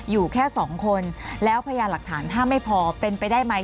อยู่แค่สองคนแล้วพยานหลักฐานถ้าไม่พอเป็นไปได้ไหม